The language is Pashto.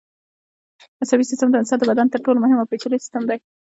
عصبي سیستم د انسان د بدن تر ټولو مهم او پېچلی سیستم دی.